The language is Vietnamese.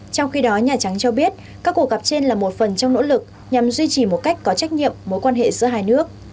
trong khi đó nhà trắng cho biết các cuộc gặp trên là một phần trong nỗ lực nhằm duy trì một cách có trách nhiệm mối quan hệ giữa hai nước